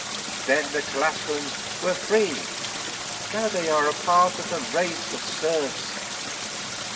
Then the Tlascalans were free, now they are a race of serfs.